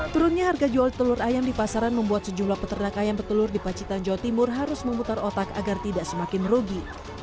turunnya harga jual telur ayam di pasaran membuat sejumlah peternak ayam petelur di pacitan jawa timur harus memutar otak agar tidak semakin rugi